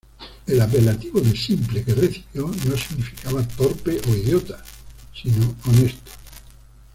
El apelativo de "simple", que recibió, no significaba "torpe" o "idiota", sino "honesto".